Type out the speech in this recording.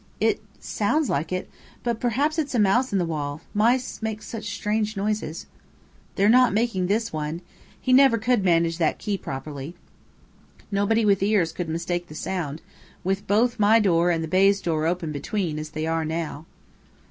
"It sounds like it. But perhaps it's a mouse in the wall. Mice make such strange noises." "They're not making this one. He never could manage that key properly. Nobody with ears could mistake the sound, with both my door and the baize door open between, as they are now.